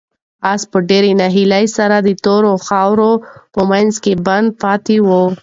آس په ډېرې ناهیلۍ سره د تورو خاورو په منځ کې بند پاتې و.